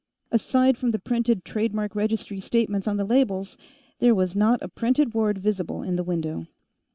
Aside from the printed trademark registry statements on the labels, there was not a printed word visible in the window.